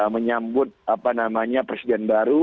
menyambut apa namanya presiden baru